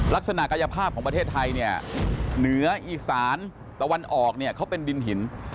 ลักษณะกายภาพของประเทศไทยเนี่ยเหนืออีสานตะวันออกเนี่ยเขาเป็นดินหิน